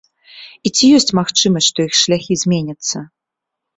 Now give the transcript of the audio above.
І ці ёсць магчымасць, што іх шляхі зменяцца.